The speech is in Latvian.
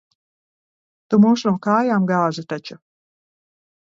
Tu mūs no kājām gāzi taču.